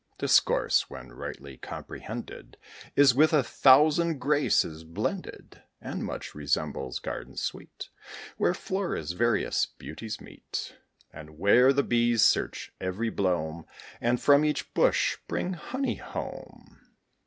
Discourse, when rightly comprehended, Is with a thousand graces blended, And much resembles gardens sweet, Where Flora's various beauties meet; And where the bees search every bloom, And from each bush bring honey home.